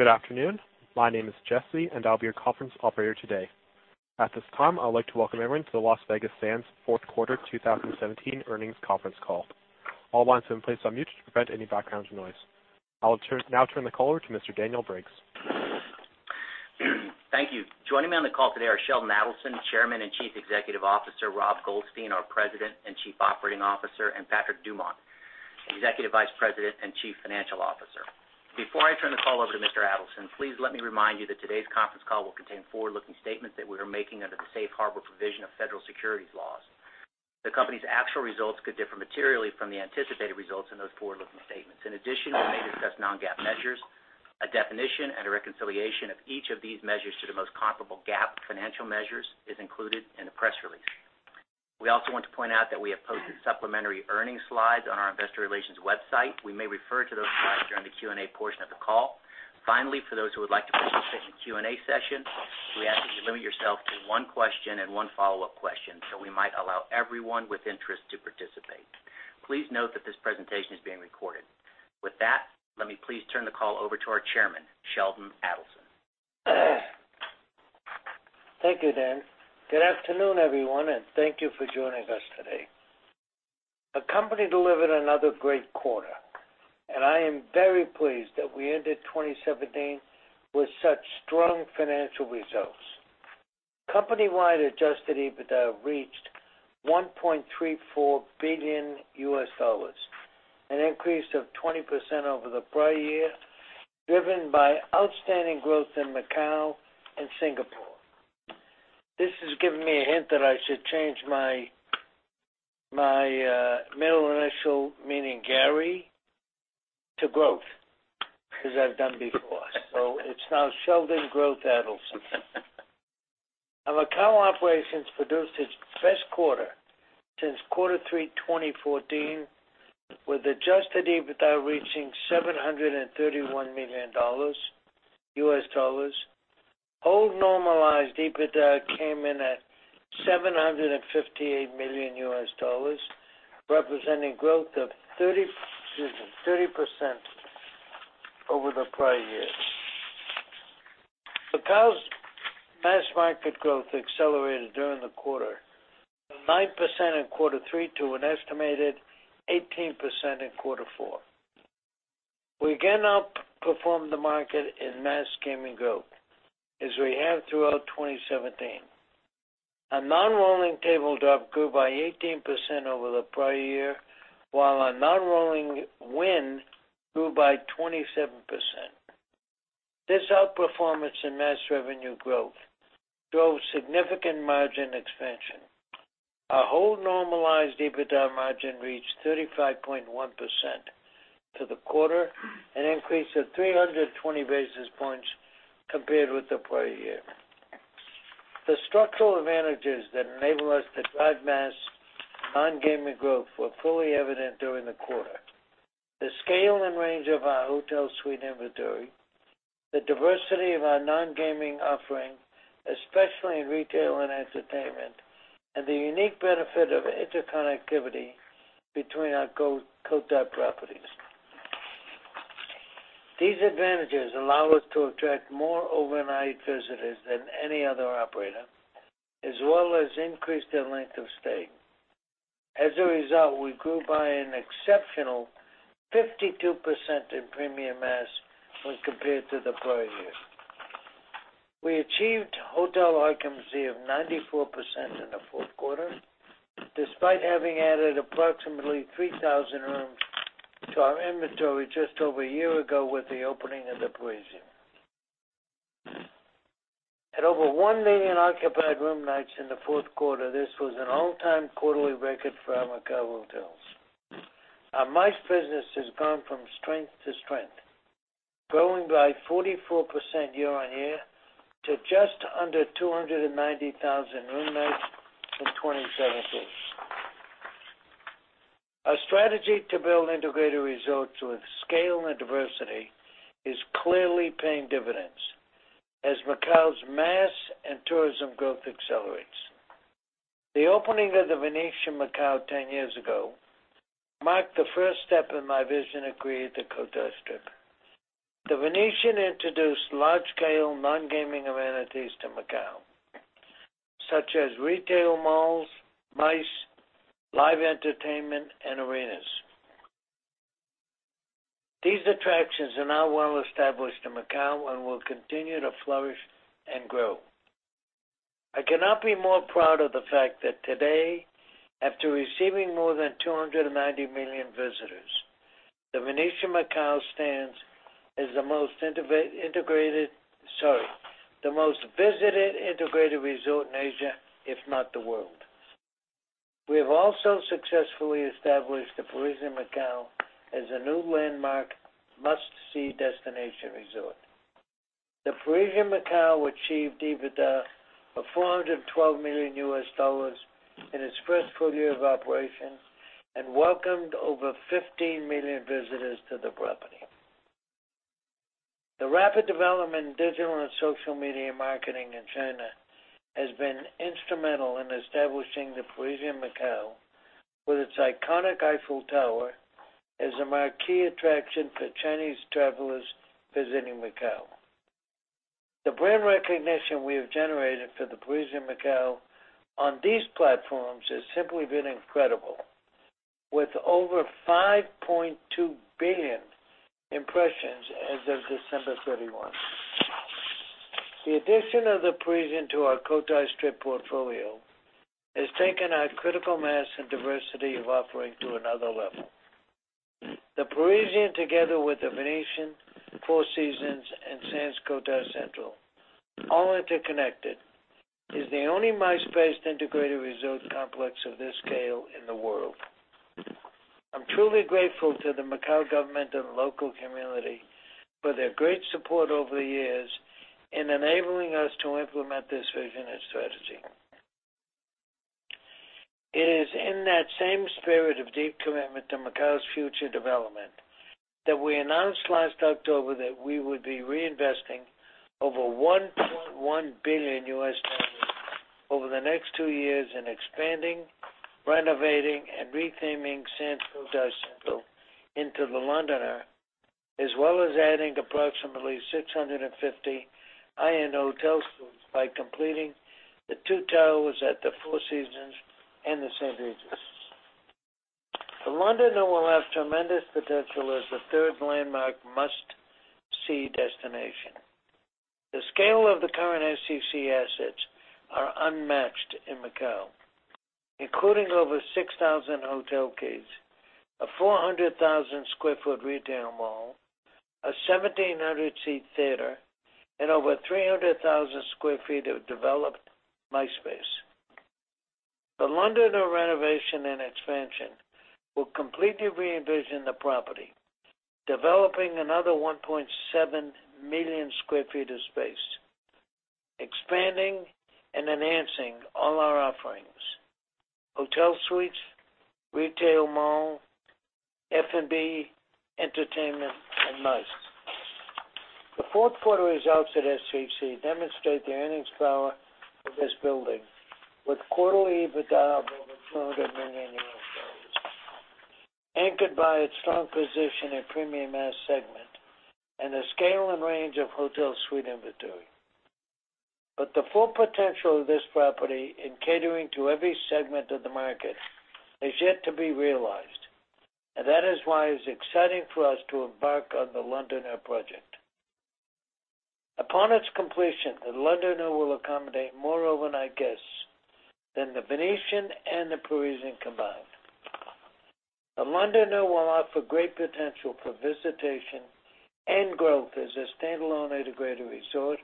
Good afternoon. My name is Jesse, and I'll be your conference operator today. At this time, I would like to welcome everyone to the Las Vegas Sands Fourth Quarter 2017 Earnings Conference Call. All lines have been placed on mute to prevent any background noise. I will now turn the call over to Mr. Daniel Briggs. Thank you. Joining me on the call today are Sheldon Adelson, Chairman and Chief Executive Officer, Rob Goldstein, our President and Chief Operating Officer, and Patrick Dumont, Executive Vice President and Chief Financial Officer. Before I turn the call over to Mr. Adelson, please let me remind you that today's conference call will contain forward-looking statements that we are making under the safe harbor provision of federal securities laws. In addition, we may discuss non-GAAP measures, a definition, and a reconciliation of each of these measures to the most comparable GAAP financial measures is included in the press release. We also want to point out that we have posted supplementary earnings slides on our investor relations website. We may refer to those slides during the Q&A portion of the call. Finally, for those who would like to participate in Q&A session, we ask that you limit yourself to one question and one follow-up question so we might allow everyone with interest to participate. Please note that this presentation is being recorded. With that, let me please turn the call over to our chairman, Sheldon Adelson. Thank you, Dan. Good afternoon, everyone. Thank you for joining us today. The company delivered another great quarter. I am very pleased that we ended 2017 with such strong financial results. Company-wide adjusted EBITDA reached $1.34 billion, an increase of 20% over the prior year, driven by outstanding growth in Macau and Singapore. This has given me a hint that I should change my middle initial, meaning Gary, to Growth, as I've done before. It's now Sheldon Growth Adelson. Our Macau operations produced its best quarter since Q3 2014, with adjusted EBITDA reaching $731 million. Hold normalized EBITDA came in at $758 million, representing growth of 30% over the prior year. Macau's mass market growth accelerated during the quarter, 9% in Q3 to an estimated 18% in Q4. We again outperformed the market in mass gaming group, as we have throughout 2017. Our non-rolling table drop grew by 18% over the prior year, while our non-rolling win grew by 27%. This outperformance in mass revenue growth drove significant margin expansion. Our hold-normalized EBITDA margin reached 35.1% for the quarter, an increase of 320 basis points compared with the prior year. The structural advantages that enable us to drive mass non-gaming growth were fully evident during the quarter. The scale and range of our hotel suite inventory, the diversity of our non-gaming offering, especially in retail and entertainment, and the unique benefit of interconnectivity between our Cotai properties. These advantages allow us to attract more overnight visitors than any other operator, as well as increase their length of stay. As a result, we grew by an exceptional 52% in premium mass win compared to the prior year. We achieved hotel occupancy of 94% in the fourth quarter, despite having added approximately 3,000 rooms to our inventory just over a year ago with the opening of The Parisian. At over 1 million occupied room nights in the fourth quarter, this was an all-time quarterly record for our Macao hotels. Our MICE business has gone from strength to strength, growing by 44% year-on-year to just under 290,000 room nights in 2017. Our strategy to build integrated resorts with scale and diversity is clearly paying dividends as Macao's mass and tourism growth accelerates. The opening of The Venetian Macao 10 years ago marked the first step in my vision to create the Cotai Strip. The Venetian introduced large-scale non-gaming amenities to Macao, such as retail malls, MICE, live entertainment, and arenas. These attractions are now well-established in Macao and will continue to flourish and grow. I cannot be more proud of the fact that today, after receiving more than 290 million visitors, The Venetian Macao stands as the most visited integrated resort in Asia, if not the world. We have also successfully established The Parisian Macao as a new landmark must-see destination resort. The Parisian Macao achieved EBITDA of $412 million in its first full year of operation and welcomed over 15 million visitors to the property. The rapid development in digital and social media marketing in China has been instrumental in establishing The Parisian Macao with its iconic Eiffel Tower as a marquee attraction for Chinese travelers visiting Macao. The brand recognition we have generated for The Parisian Macao on these platforms has simply been incredible, with over 5.2 billion impressions as of December 31. The addition of The Parisian to our Cotai Strip portfolio has taken our critical mass and diversity of offering to another level. The Parisian, together with The Venetian, The Four Seasons, and Sands Cotai Central, all interconnected, is the only MICE-based integrated resort complex of this scale in the world. I'm truly grateful to the Macao government and local community for their great support over the years in enabling us to implement this vision and strategy. It is in that same spirit of deep commitment to Macao's future development that we announced last October that we would be reinvesting over $1.1 billion over the next two years in expanding, renovating, and retheming Sands Cotai Central into The Londoner, as well as adding approximately 650 high-end hotel suites by completing the two towers at The Four Seasons and The St. Regis. The Londoner will have tremendous potential as a third landmark must-see destination. The scale of the current SCC assets are unmatched in Macao, including over 6,000 hotel keys, a 400,000 sq ft retail mall, a 1,700-seat theater, and over 300,000 sq ft of developed MICE space. The Londoner renovation and expansion will completely re-envision the property, developing another 1.7 million sq ft of space, expanding and enhancing all our offerings, hotel suites, retail mall, F&B, entertainment, and MICE. The fourth quarter results at SCC demonstrate the earnings power of this building, with quarterly EBITDA of over $200 million, anchored by its strong position in premium mass segment and the scale and range of hotel suite inventory. The full potential of this property in catering to every segment of the market is yet to be realized, and that is why it's exciting for us to embark on The Londoner project. Upon its completion, The Londoner will accommodate more overnight guests than The Venetian and The Parisian combined. The Londoner will offer great potential for visitation and growth as a standalone integrated resort,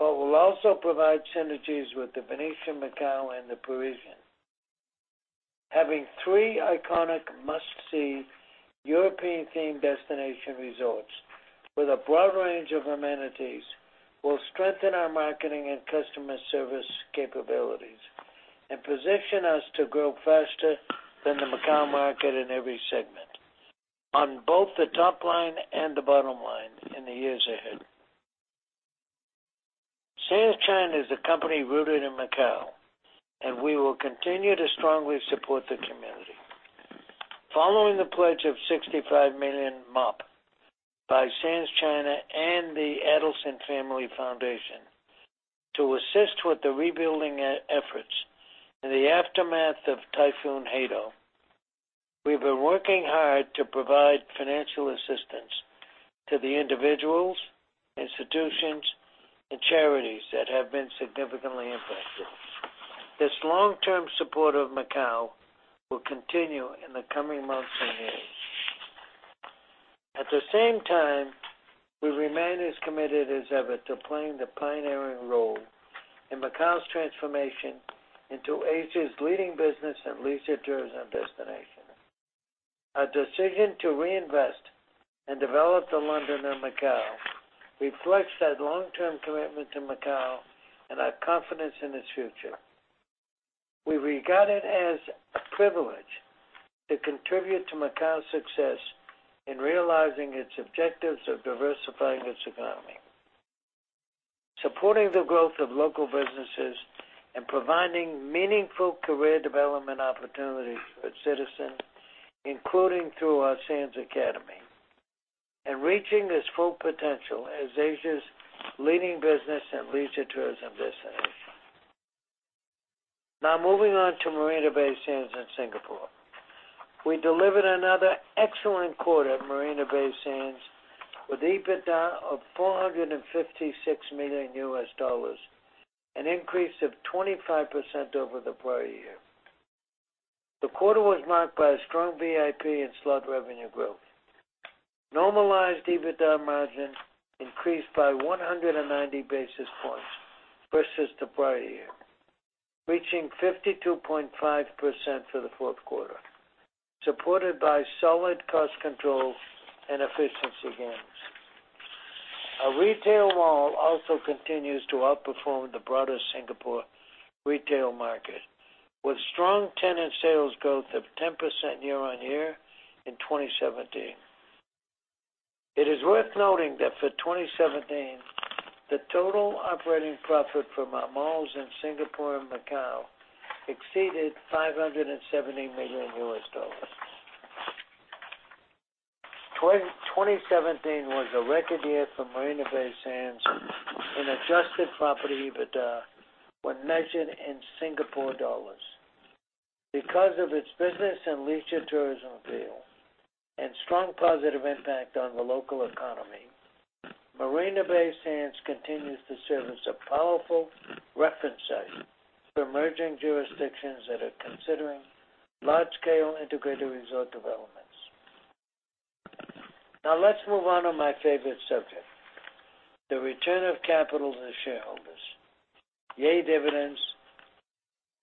but will also provide synergies with The Venetian Macao and The Parisian. Having three iconic must-see European-themed destination resorts with a broad range of amenities will strengthen our marketing and customer service capabilities and position us to grow faster than the Macao market in every segment, on both the top line and the bottom line in the years ahead. Sands China is a company rooted in Macao, and we will continue to strongly support the community. Following the pledge of MOP 65 million by Sands China and the Adelson Family Foundation to assist with the rebuilding efforts in the aftermath of Typhoon Hato, we've been working hard to provide financial assistance to the individuals, institutions, and charities that have been significantly impacted. This long-term support of Macao will continue in the coming months and years. At the same time, we remain as committed as ever to playing the pioneering role in Macao's transformation into Asia's leading business and leisure tourism destination. Our decision to reinvest and develop The Londoner Macao reflects that long-term commitment to Macao and our confidence in its future. We regard it as a privilege to contribute to Macao's success in realizing its objectives of diversifying its economy, supporting the growth of local businesses, and providing meaningful career development opportunities for its citizens, including through our Sands Academy, and reaching its full potential as Asia's leading business and leisure tourism destination. Moving on to Marina Bay Sands in Singapore. We delivered another excellent quarter at Marina Bay Sands with EBITDA of $456 million, an increase of 25% over the prior year. The quarter was marked by a strong VIP and slot revenue growth. Normalized EBITDA margin increased by 190 basis points versus the prior year, reaching 52.5% for the fourth quarter, supported by solid cost control and efficiency gains. Our retail mall also continues to outperform the broader Singapore retail market, with strong tenant sales growth of 10% year-on-year in 2017. It is worth noting that for 2017, the total operating profit from our malls in Singapore and Macao exceeded $570 million. 2017 was a record year for Marina Bay Sands in adjusted property EBITDA when measured in SGD. Because of its business and leisure tourism appeal and strong positive impact on the local economy, Marina Bay Sands continues to serve as a powerful reference site for emerging jurisdictions that are considering large-scale integrated resort developments. Let's move on to my favorite subject, the return of capital to the shareholders. Yay, dividends,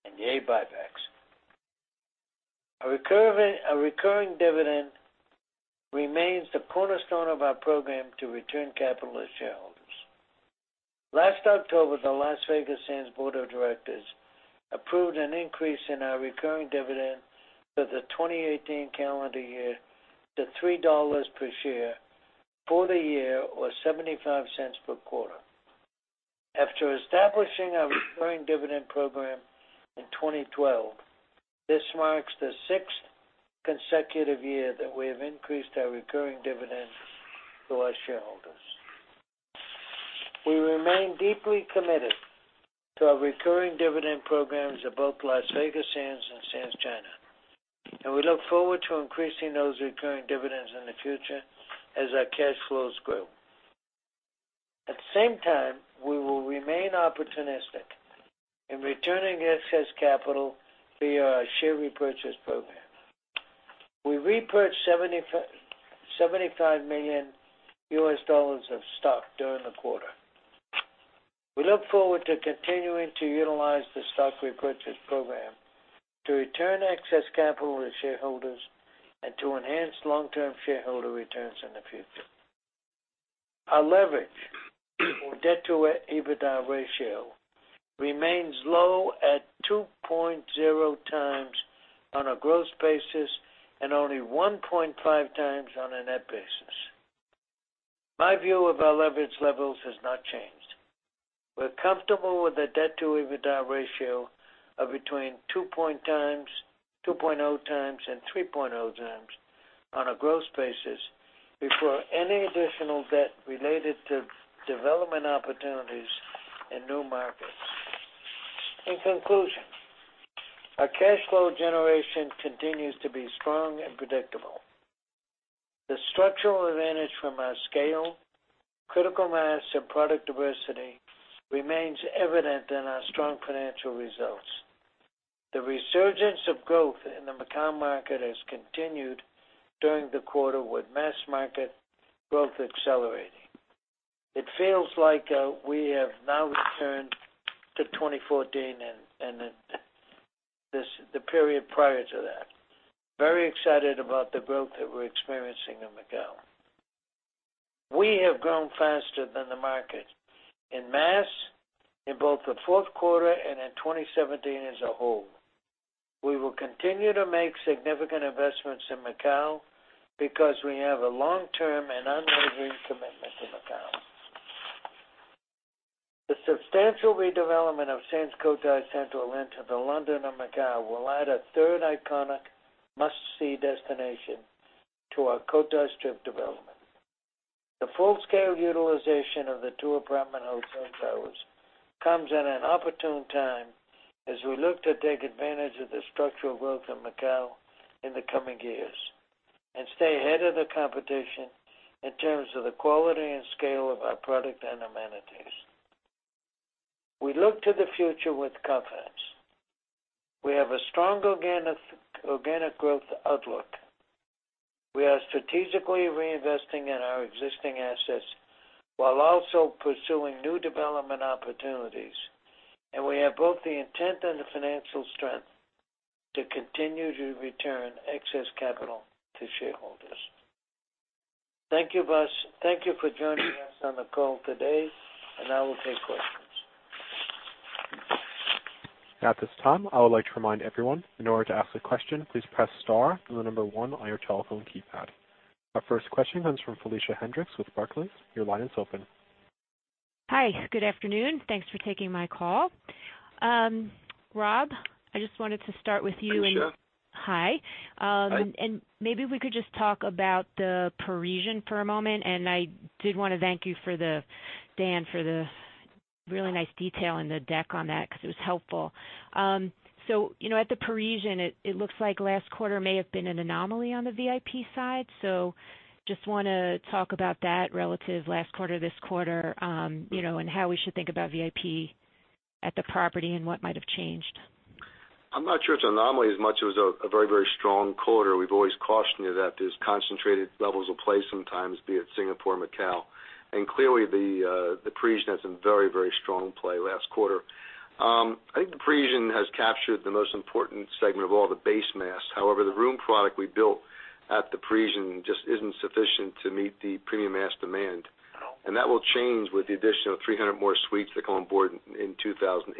and yay, buybacks. A recurring dividend remains the cornerstone of our program to return capital to shareholders. Last October, the Las Vegas Sands board of directors approved an increase in our recurring dividend for the 2018 calendar year to $3 per share for the year, or $0.75 per quarter. After establishing our recurring dividend program in 2012, this marks the sixth consecutive year that we have increased our recurring dividend to our shareholders. We remain deeply committed to our recurring dividend programs at both Las Vegas Sands and Sands China, and we look forward to increasing those recurring dividends in the future as our cash flows grow. At the same time, we will remain opportunistic in returning excess capital via our share repurchase program. We repurchased $75 million of stock during the quarter. We look forward to continuing to utilize the stock repurchase program to return excess capital to shareholders and to enhance long-term shareholder returns in the future. Our leverage or debt-to-EBITDA ratio remains low at 2.0 times on a gross basis and only 1.5 times on a net basis. My view of our leverage levels has not changed. We're comfortable with the debt-to-EBITDA ratio of between 2.0 times and 3.0 times on a gross basis before any additional debt related to development opportunities in new markets. In conclusion, our cash flow generation continues to be strong and predictable. The structural advantage from our scale, critical mass, and product diversity remains evident in our strong financial results. The resurgence of growth in the Macao market has continued during the quarter with mass-market growth accelerating. It feels like we have now returned to 2014 and the period prior to that. Very excited about the growth that we're experiencing in Macao. We have grown faster than the market in mass, in both the fourth quarter and in 2017 as a whole. We will continue to make significant investments in Macao because we have a long-term and unwavering commitment to Macao. The substantial redevelopment of Sands Cotai Central into The Londoner Macao will add a third iconic must-see destination to our Cotai Strip development. The full-scale utilization of the two apartment hotel towers comes at an opportune time as we look to take advantage of the structural growth of Macao in the coming years and stay ahead of the competition in terms of the quality and scale of our product and amenities. We look to the future with confidence. We have a strong organic growth outlook. We are strategically reinvesting in our existing assets while also pursuing new development opportunities, and we have both the intent and the financial strength to continue to return excess capital to shareholders. Thank you, Buzz. Thank you for joining us on the call today. Now we'll take questions. At this time, I would like to remind everyone, in order to ask a question, please press star, then the number one on your telephone keypad. Our first question comes from Felicia Hendrix with Barclays. Your line is open. Hi. Good afternoon. Thanks for taking my call. Rob, I just wanted to start with you. Hey, Felicia. Hi. Hi. Maybe we could just talk about The Parisian for a moment. I did want to thank you, Dan, for the really nice detail in the deck on that because it was helpful. At The Parisian, it looks like last quarter may have been an anomaly on the VIP side. Just want to talk about that relative last quarter, this quarter, and how we should think about VIP at the property and what might have changed. I'm not sure it's an anomaly as much as a very, very strong quarter. We've always cautioned you that there's concentrated levels of play sometimes, be it Singapore or Macau. Clearly, The Parisian had some very, very strong play last quarter. I think The Parisian has captured the most important segment of all the base mass. However, the room product we built at The Parisian just isn't sufficient to meet the premium mass That will change with the addition of 300 more suites that come on board in 2018.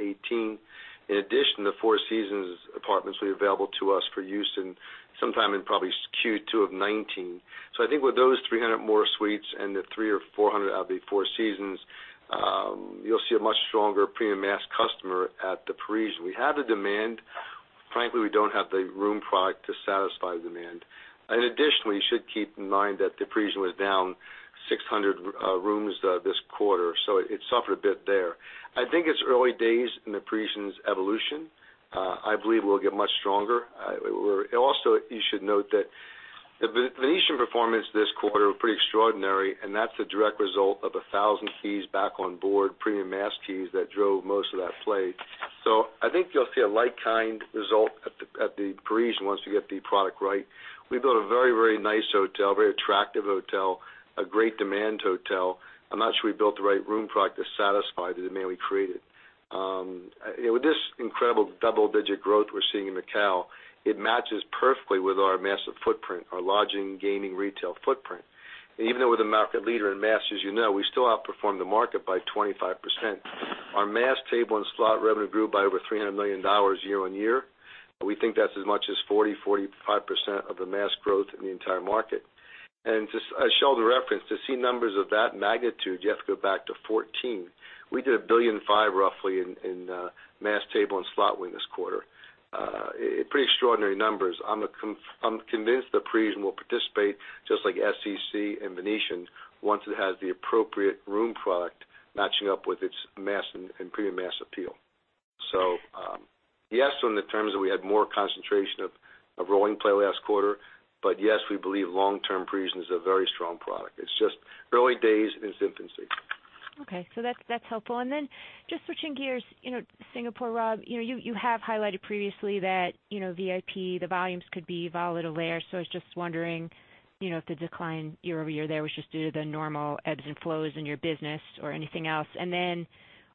In addition, the Four Seasons apartments will be available to us for use sometime in probably Q2 of 2019. I think with those 300 more suites and the 300 or 400 out of the Four Seasons, you'll see a much stronger premium mass customer at The Parisian. We have the demand. Frankly, we don't have the room product to satisfy the demand. Additionally, you should keep in mind that The Parisian was down 600 rooms this quarter, so it suffered a bit there. I think it's early days in The Parisian's evolution. I believe we'll get much stronger. Also, you should note that The Venetian performance this quarter was pretty extraordinary, and that's a direct result of 1,000 keys back on board, premium mass keys that drove most of that play. I think you'll see a like kind result at The Parisian once we get the product right. We built a very nice hotel, very attractive hotel, a great demand hotel. I'm not sure we built the right room product to satisfy the demand we created. With this incredible double-digit growth we're seeing in Macau, it matches perfectly with our massive footprint, our lodging, gaming, retail footprint. Even though we're the market leader in mass, as you know, we still outperform the market by 25%. Our mass table and slot revenue grew by over $300 million year-over-year. We think that's as much as 40%-45% of the mass growth in the entire market. Just as Sheldon reference, to see numbers of that magnitude, you have to go back to 2014. We did $1.5 billion roughly in mass table and slot win this quarter. Pretty extraordinary numbers. I'm convinced The Parisian will participate just like SCC and The Venetian once it has the appropriate room product matching up with its mass and premium mass appeal. Yes, on the terms that we had more concentration of rolling play last quarter. Yes, we believe long-term The Parisian is a very strong product. It's just early days in its infancy. Okay. That's helpful. Just switching gears, Singapore, Rob Goldstein, you have highlighted previously that VIP, the volumes could be volatile there. I was just wondering if the decline year-over-year there was just due to the normal ebbs and flows in your business or anything else.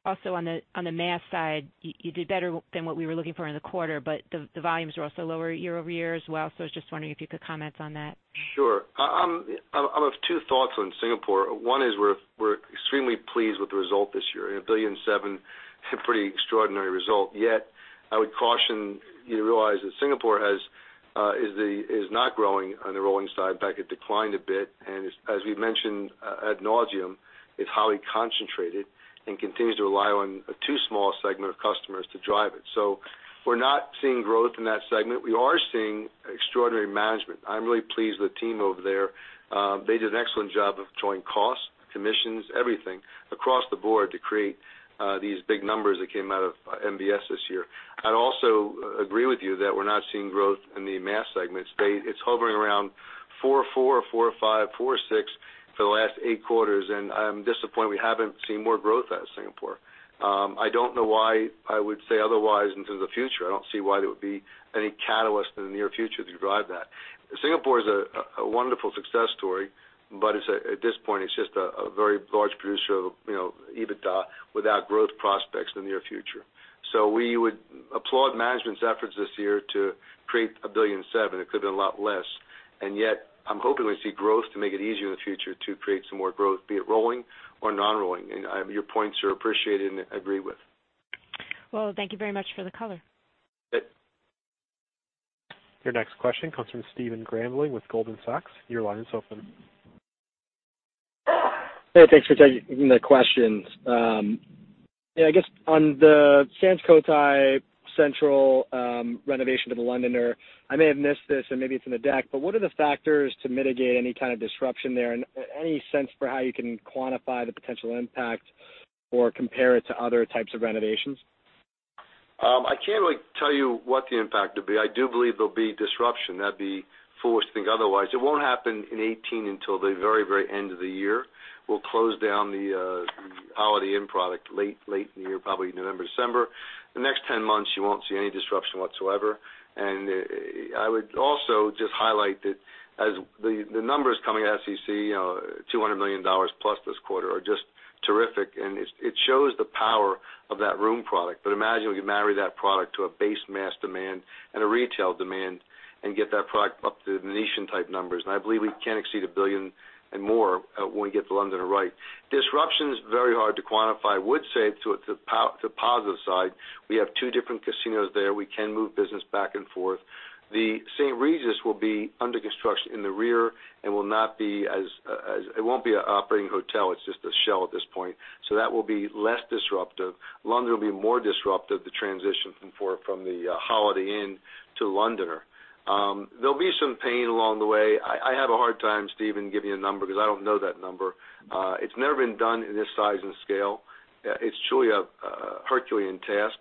Also on the mass side, you did better than what we were looking for in the quarter, but the volumes were also lower year-over-year as well. I was just wondering if you could comment on that. Sure. I have two thoughts on Singapore. One is we're extremely pleased with the result this year. A $1.7 billion, a pretty extraordinary result, yet I would caution you to realize that Singapore is not growing on the rolling side. In fact, it declined a bit, and as we've mentioned ad nauseam, it's highly concentrated and continues to rely on a too small segment of customers to drive it. We're not seeing growth in that segment. We are seeing extraordinary management. I'm really pleased with the team over there. They did an excellent job of controlling costs, commissions, everything across the board to create these big numbers that came out of MBS this year. I'd also agree with you that we're not seeing growth in the mass segment. It's hovering around 4.4.5, 4.6 for the last eight quarters, I'm disappointed we haven't seen more growth out of Singapore. I don't know why I would say otherwise into the future. I don't see why there would be any catalyst in the near future to drive that. Singapore is a wonderful success story, but at this point, it's just a very large producer of EBITDA without growth prospects in the near future. We would applaud management's efforts this year to create a $1.7 billion. It could've been a lot less. I'm hoping we see growth to make it easier in the future to create some more growth, be it rolling or non-rolling. Your points are appreciated and agreed with. Thank you very much for the color. Yep. Your next question comes from Stephen Grambling with Goldman Sachs. Your line is open. Hey, thanks for taking the questions. I guess on the Sands Cotai Central renovation to The Londoner, I may have missed this, and maybe it's in the deck, but what are the factors to mitigate any kind of disruption there? Any sense for how you can quantify the potential impact or compare it to other types of renovations? I can't really tell you what the impact would be. I do believe there'll be disruption. That'd be foolish to think otherwise. It won't happen in 2018 until the very end of the year. We'll close down the Holiday Inn product late in the year, probably November, December. The next 10 months, you won't see any disruption whatsoever. I would also just highlight that as the numbers coming out of SCC, $200 million plus this quarter, are just terrific, and it shows the power of that room product. Imagine we can marry that product to a base mass demand and a retail demand and get that product up to Venetian type numbers. I believe we can exceed $1 billion and more when we get The Londoner right. Disruption is very hard to quantify. I would say to the positive side, we have two different casinos there. We can move business back and forth. The St. Regis will be under construction in the rear and it won't be an operating hotel, it's just a shell at this point. That will be less disruptive. The Londoner will be more disruptive, the transition from the Holiday Inn to The Londoner. There'll be some pain along the way. I have a hard time, Stephen, giving you a number because I don't know that number. It's never been done in this size and scale. It's truly a Herculean task,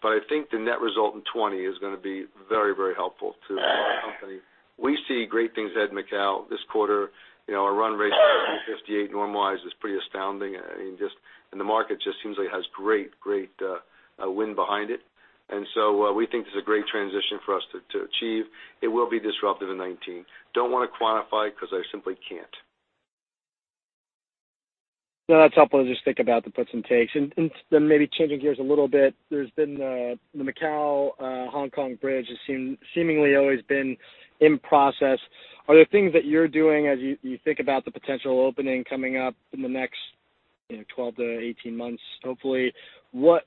but I think the net result in 2020 is going to be very helpful to our company. We see great things at Macau this quarter. Our run rate of 258 normalized is pretty astounding, and the market just seems like it has great wind behind it. We think this is a great transition for us to achieve. It will be disruptive in 2019. Don't want to quantify because I simply can't. No, that's helpful to just think about the puts and takes. Maybe changing gears a little bit, there's been the Macau Hong Kong bridge has seemingly always been in process. Are there things that you're doing as you think about the potential opening coming up in the next 12-18 months, hopefully? What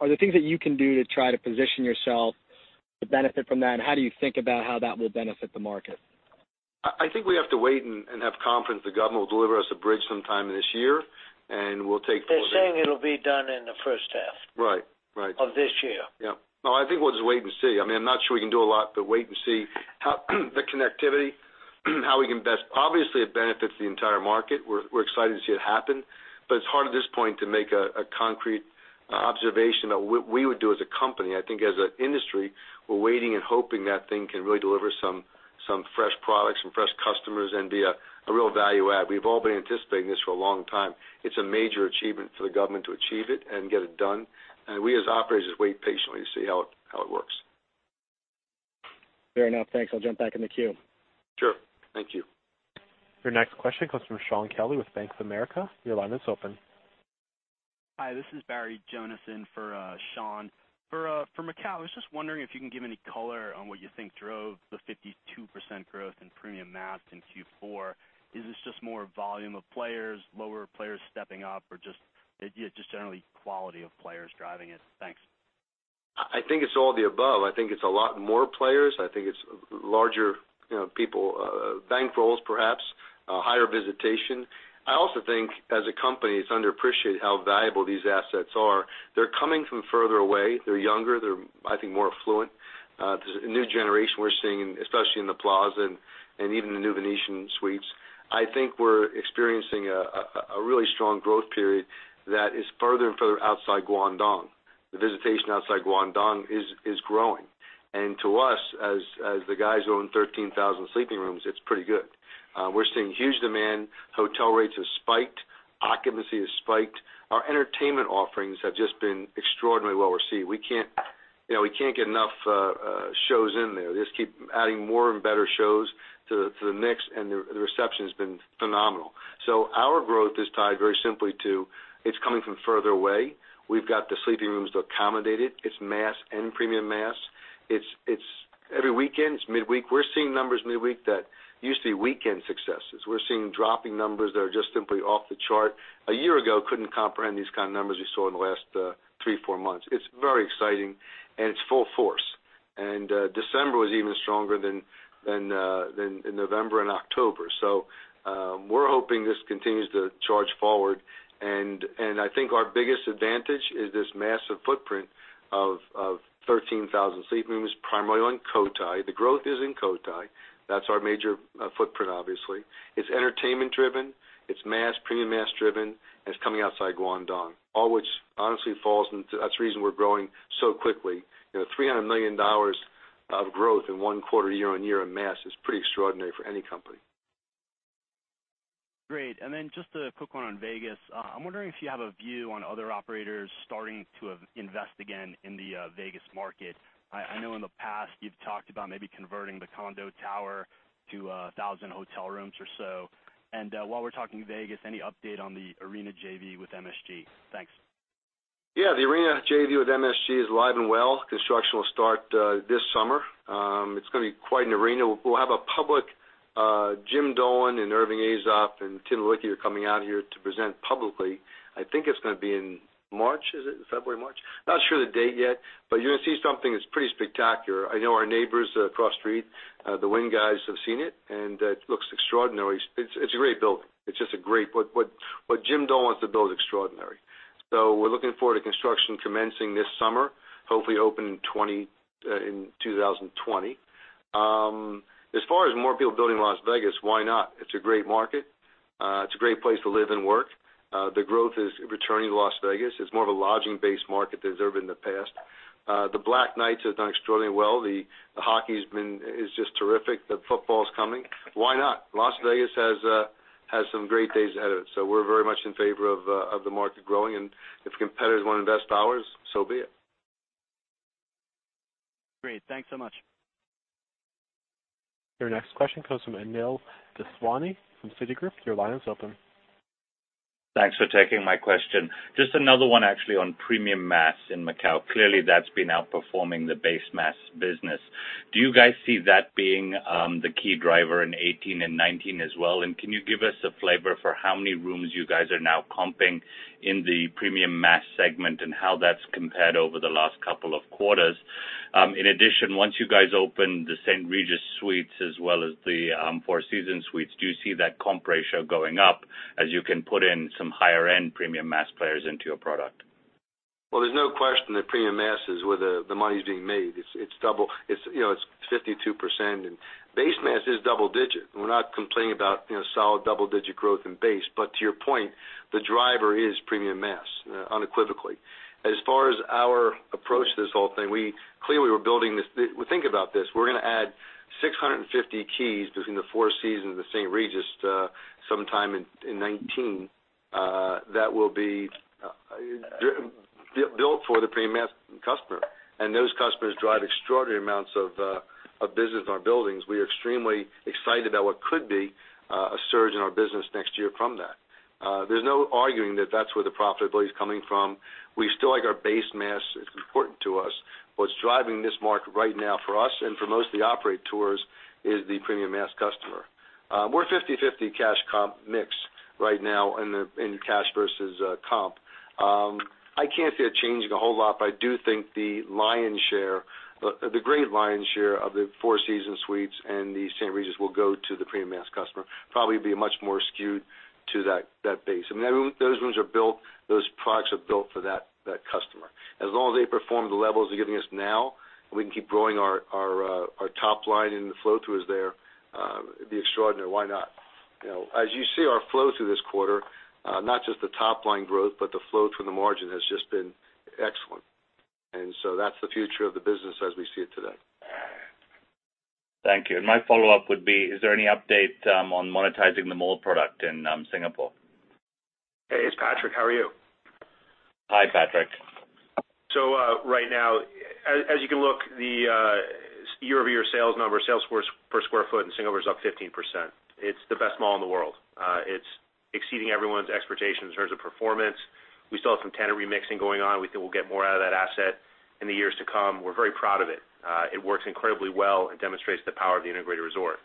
are the things that you can do to try to position yourself to benefit from that, and how do you think about how that will benefit the market? I think we have to wait and have confidence the government will deliver us a bridge sometime this year, and we'll take it from there. They're saying it'll be done in the first half. Right. Of this year. Yeah. No, I think we'll just wait and see. I'm not sure we can do a lot but wait and see how, the connectivity, how we can best-- Obviously, it benefits the entire market. We're excited to see it happen. It's hard at this point to make a concrete observation of what we would do as a company. I think as an industry, we're waiting and hoping that thing can really deliver some fresh products, some fresh customers, and be a real value add. We've all been anticipating this for a long time. It's a major achievement for the government to achieve it and get it done. We, as operators, just wait patiently to see how it works. Fair enough. Thanks. I'll jump back in the queue. Sure. Thank you. Your next question comes from Shaun Kelley with Bank of America. Your line is open. Hi, this is Barry Jonas in for Shaun. For Macao, I was just wondering if you can give any color on what you think drove the 52% growth in premium mass in Q4. Is this just more volume of players, lower players stepping up, or just generally quality of players driving it? Thanks. I think it's all the above. I think it's a lot more players. I think it's larger people, bank rolls, perhaps, higher visitation. I also think, as a company, it's underappreciated how valuable these assets are. They're coming from further away. They're younger. They're, I think, more affluent. There's a new generation we're seeing, especially in The Plaza and even the new Venetian Suites. I think we're experiencing a really strong growth period that is further and further outside Guangdong. The visitation outside Guangdong is growing. To us, as the guys who own 13,000 sleeping rooms, it's pretty good. We're seeing huge demand. Hotel rates have spiked. Occupancy has spiked. Our entertainment offerings have just been extraordinarily well-received. We can't get enough shows in there. They just keep adding more and better shows to the mix, and the reception has been phenomenal. Our growth is tied very simply to, it's coming from further away. We've got the sleeping rooms to accommodate it. It's mass and premium mass. It's every weekend. It's midweek. We're seeing numbers midweek that you see weekend successes. We're seeing dropping numbers that are just simply off the chart. A year ago, couldn't comprehend these kind of numbers you saw in the last three, four months. It's very exciting, and it's full force. December was even stronger than November and October. We're hoping this continues to charge forward. I think our biggest advantage is this massive footprint of 13,000 sleeping rooms, primarily on Cotai. The growth is in Cotai. That's our major footprint, obviously. It's entertainment driven, it's mass, premium mass driven, and it's coming outside Guangdong. All which honestly falls into, that's the reason we're growing so quickly. $300 million of growth in one quarter year-on-year in mass is pretty extraordinary for any company. Great. Then just a quick one on Vegas. I'm wondering if you have a view on other operators starting to invest again in the Vegas market. I know in the past you've talked about maybe converting the condo tower to 1,000 hotel rooms or so. While we're talking Vegas, any update on the arena JV with MSG? Thanks. The arena JV with MSG is live and well. Construction will start this summer. It's going to be quite an arena. We'll have a public, Jim Dolan and Irving Azoff and Tim Leiweke are coming out here to present publicly. I think it's going to be in March. Is it February, March? Not sure of the date yet, you're going to see something that's pretty spectacular. I know our neighbors across the street, the Wynn guys, have seen it, and it looks extraordinary. It's a great building. What Jim Dolan wants to build is extraordinary. We're looking forward to construction commencing this summer, hopefully open in 2020. As far as more people building Las Vegas, why not? It's a great market. It's a great place to live and work. The growth is returning to Las Vegas. It's more of a lodging-based market than it's ever been in the past. The Black Knights have done extraordinarily well. The hockey is just terrific. The football's coming. Why not? Las Vegas has some great days ahead of it, we're very much in favor of the market growing, if competitors want to invest dollars, so be it. Great. Thanks so much. Your next question comes from Anil Daswani from Citigroup. Your line is open. Thanks for taking my question. Just another one, actually, on premium mass in Macao. Clearly, that's been outperforming the base mass business. Do you guys see that being the key driver in 2018 and 2019 as well? Can you give us a flavor for how many rooms you guys are now comping in the premium mass segment, and how that's compared over the last couple of quarters? In addition, once you guys open the St. Regis Suites as well as the Four Seasons Suites, do you see that comp ratio going up as you can put in some higher-end premium mass players into your product? Well, there's no question that premium mass is where the money's being made. It's 52%, and base mass is double-digit. We're not complaining about solid double-digit growth in base. To your point, the driver is premium mass, unequivocally. As far as our approach to this whole thing, clearly, we're building this. Well, think about this. We're going to add 650 keys between the Four Seasons and the St. Regis sometime in 2019 that will be built for the premium mass customer. Those customers drive extraordinary amounts of business in our buildings. We are extremely excited about what could be a surge in our business next year from that. There's no arguing that that's where the profitability is coming from. We still like our base mass. It's important to us. What's driving this market right now for us and for most of the operators is the premium mass customer. We're 50/50 cash comp mix right now in cash versus comp. I can't see it changing a whole lot, but I do think the great lion's share of the Four Seasons Suites and the St. Regis will go to the premium mass customer. Probably be much more skewed to that base. Those rooms are built, those products are built for that customer. As long as they perform the levels they're giving us now, and we can keep growing our top line and the flow-throughs there, it'd be extraordinary. Why not? As you see our flow through this quarter, not just the top-line growth, but the flow from the margin has just been excellent. That's the future of the business as we see it today. Thank you. My follow-up would be, is there any update on monetizing the mall product in Singapore? Hey, it's Patrick, how are you? Hi, Patrick. Right now, as you can look, the year-over-year sales number, sales per square foot in Singapore is up 15%. It's the best mall in the world. It's exceeding everyone's expectations in terms of performance. We still have some tenant remixing going on. We think we'll get more out of that asset in the years to come. We're very proud of it. It works incredibly well and demonstrates the power of the integrated resort.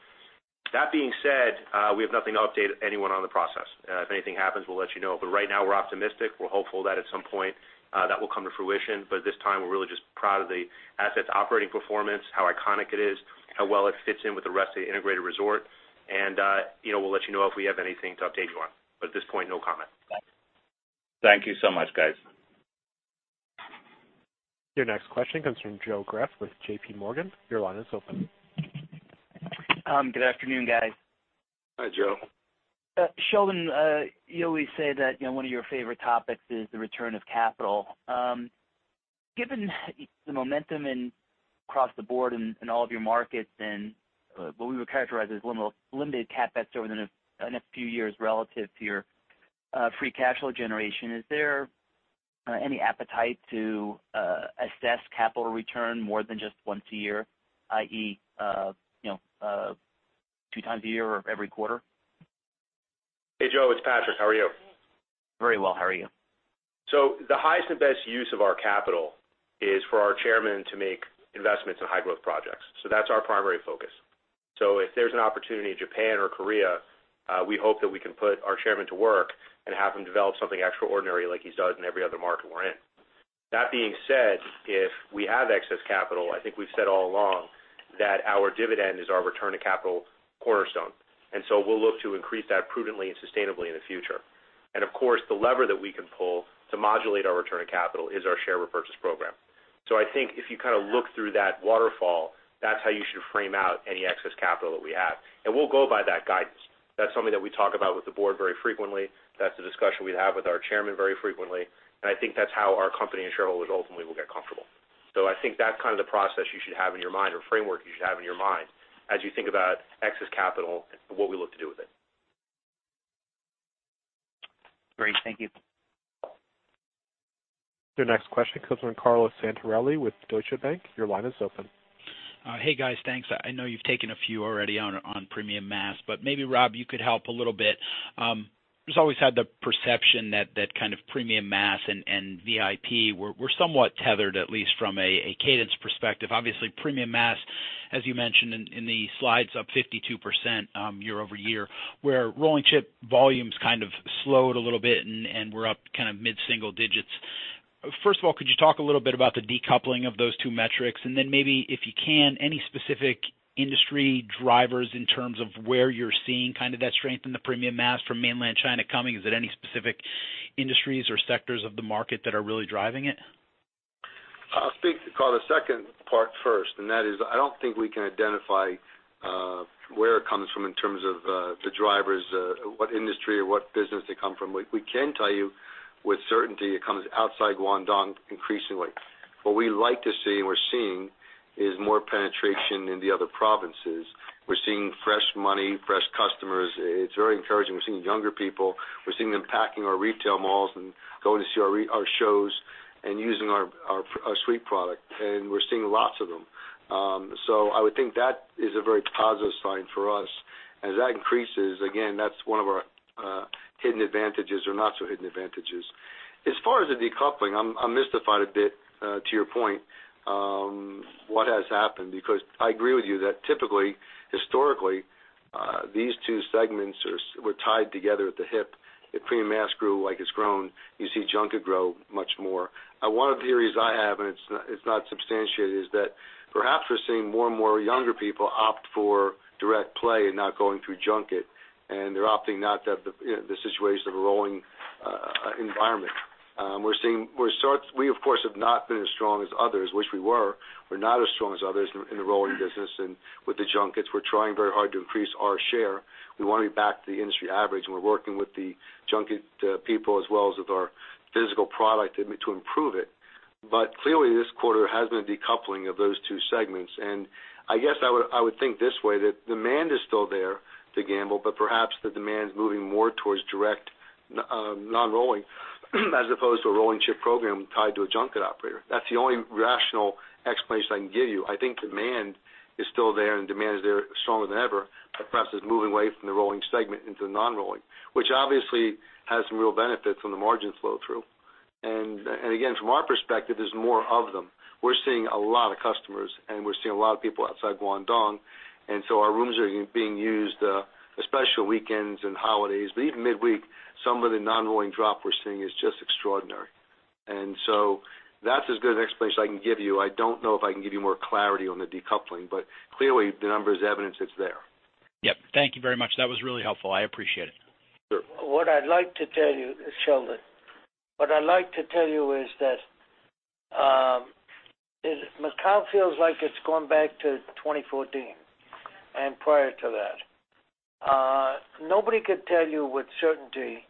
That being said, we have nothing to update anyone on the process. If anything happens, we'll let you know. Right now, we're optimistic. We're hopeful that at some point, that will come to fruition. At this time, we're really just proud of the asset's operating performance, how iconic it is, how well it fits in with the rest of the integrated resort, and we'll let you know if we have anything to update you on. At this point, no comment. Thank you so much, guys. Your next question comes from Joe Greff with J.P. Morgan. Your line is open. Good afternoon, guys. Hi, Joe. Sheldon, you always say that one of your favorite topics is the return of capital. Given the momentum across the board in all of your markets and what we would characterize as limited CapEx over the next few years relative to your free cash flow generation, is there any appetite to assess capital return more than just once a year, i.e., two times a year or every quarter? Hey, Joe, it's Patrick. How are you? Very well. How are you? The highest and best use of our capital is for our chairman to make investments in high-growth projects. That's our primary focus. If there's an opportunity in Japan or Korea, we hope that we can put our chairman to work and have him develop something extraordinary like he does in every other market we're in. That being said, if we have excess capital, I think we've said all along that our dividend is our return to capital cornerstone. We'll look to increase that prudently and sustainably in the future. Of course, the lever that we can pull to modulate our return on capital is our share repurchase program. I think if you look through that waterfall, that's how you should frame out any excess capital that we have. We'll go by that guidance. That's something that we talk about with the board very frequently. That's a discussion we have with our chairman very frequently, and I think that's how our company and shareholders ultimately will get comfortable. I think that's kind of the process you should have in your mind or framework you should have in your mind as you think about excess capital and what we look to do with it. Great. Thank you. Your next question comes from Carlo Santarelli with Deutsche Bank. Your line is open. Hey, guys. Thanks. I know you've taken a few already on premium mass, but maybe, Rob, you could help a little bit. Just always had the perception that kind of premium mass and VIP were somewhat tethered, at least from a cadence perspective. Obviously, premium mass, as you mentioned in the slides, up 52% year-over-year, where rolling chip volumes kind of slowed a little bit and were up kind of mid-single digits. First of all, could you talk a little bit about the decoupling of those two metrics, and then maybe, if you can, any specific industry drivers in terms of where you're seeing kind of that strength in the premium mass from mainland China coming? Is it any specific industries or sectors of the market that are really driving it? I'll speak to, Carlo, second part first, and that is, I don't think we can identify where it comes from in terms of the drivers, what industry or what business they come from. We can tell you with certainty it comes outside Guangdong increasingly. What we like to see, and we're seeing, is more penetration in the other provinces. We're seeing fresh money, fresh customers. It's very encouraging. We're seeing younger people. We're seeing them packing our retail malls and going to see our shows and using our suite product, and we're seeing lots of them. I would think that is a very positive sign for us. As that increases, again, that's one of our hidden advantages or not-so-hidden advantages. As far as the decoupling, I'm mystified a bit to your point what has happened, because I agree with you that typically, historically, these two segments were tied together at the hip. If premium mass grew like it's grown, you see junket grow much more. One of the theories I have, and it's not substantiated, is that perhaps we're seeing more and more younger people opt for direct play and not going through junket, and they're opting not the situation of a rolling environment. We, of course, have not been as strong as others, wish we were, we're not as strong as others in the rolling business and with the junkets. We're trying very hard to increase our share. We want to be back to the industry average, and we're working with the junket people as well as with our physical product to improve it. Clearly, this quarter has been a decoupling of those two segments. And I guess I would think this way, that demand is still there to gamble, but perhaps the demand's moving more towards direct non-rolling as opposed to a rolling chip program tied to a junket operator. That's the only rational explanation I can give you. I think demand is still there and demand is there stronger than ever, but perhaps it's moving away from the rolling segment into the non-rolling, which obviously has some real benefits on the margin flow-through. And again, from our perspective, there's more of them. We're seeing a lot of customers, and we're seeing a lot of people outside Guangdong. And so our rooms are being used, especially weekends and holidays. But even midweek, some of the non-rolling drop we're seeing is just extraordinary. That's as good an explanation I can give you. I don't know if I can give you more clarity on the decoupling, but clearly, the numbers evidence it's there. Yep. Thank you very much. That was really helpful. I appreciate it. Sure. What I'd like to tell you, Sheldon, what I'd like to tell you is that Macao feels like it's going back to 2014 and prior to that. Nobody could tell you with certainty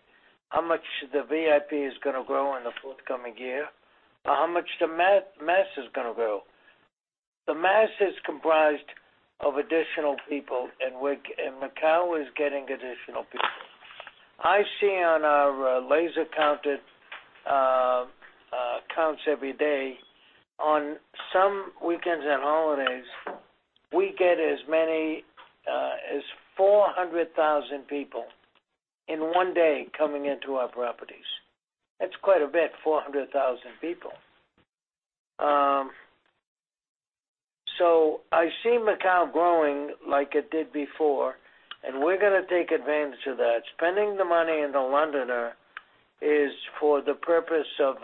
how much the VIP is going to grow in the forthcoming year or how much the mass is going to grow. The mass is comprised of additional people, and Macao is getting additional people. I see on our laser counted counts every day. On some weekends and holidays, we get as many as 400,000 people in one day coming into our properties. That's quite a bit, 400,000 people. I see Macao growing like it did before, and we're going to take advantage of that. Spending the money in The Londoner is for the purpose of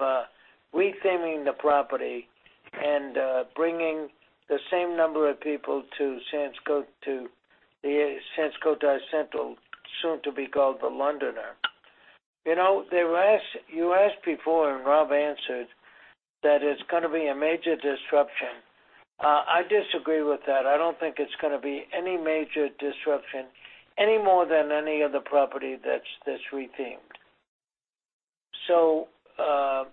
retheming the property and bringing the same number of people to the Sands Cotai Central, soon to be called The Londoner. You asked before, Rob answered that it's going to be a major disruption. I disagree with that. I don't think it's going to be any major disruption, any more than any other property that's rethemed. We have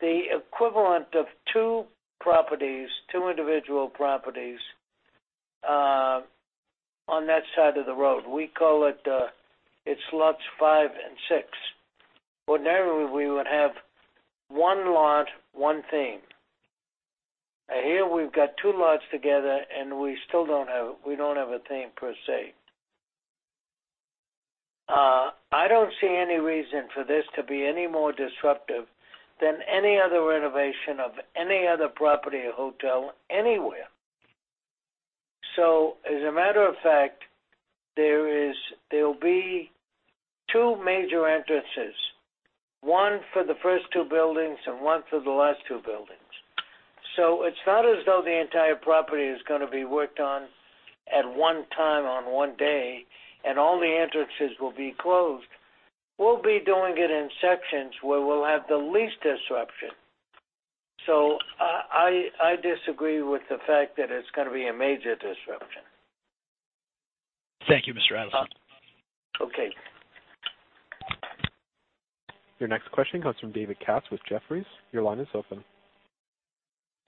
the equivalent of two properties, two individual properties on that side of the road. We call it's lots five and six. Ordinarily, we would have one lot, one theme. Here we've got two lots together, we don't have a theme per se. I don't see any reason for this to be any more disruptive than any other renovation of any other property or hotel anywhere. As a matter of fact, there'll be two major entrances, one for the first two buildings and one for the last two buildings. It's not as though the entire property is going to be worked on at one time on one day, all the entrances will be closed. We'll be doing it in sections where we'll have the least disruption. I disagree with the fact that it's going to be a major disruption. Thank you, Mr. Adelson. Okay. Your next question comes from David Katz with Jefferies. Your line is open.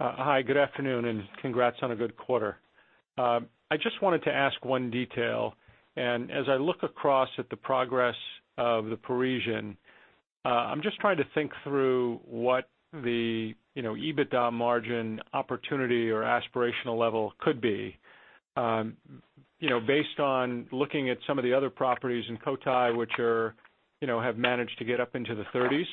Hi, good afternoon, and congrats on a good quarter. I just wanted to ask one detail. As I look across at the progress of The Parisian, I'm just trying to think through what the EBITDA margin opportunity or aspirational level could be based on looking at some of the other properties in Cotai, which have managed to get up into the 30s.